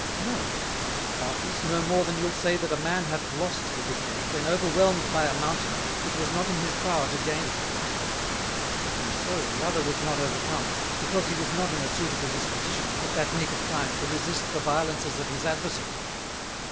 No; doubtless, no more than you'll say that a Man hath lost the Victory, when, overwhelm'd by a Mountain, it was not in his power to gain it: Even so, the other was not overcome, because he was not in a suitable Disposition, at that nick of time, to resist the violences of his Adversary.